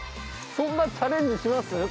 そんなチャレンジします？